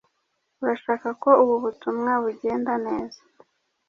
Urashaka ko ubu butumwa bugenda neza?